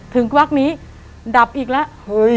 ควักนี้ดับอีกแล้ว